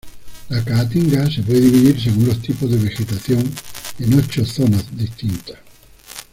La Caatinga se puede dividir según los tipos de vegetación en ocho zonas distintas.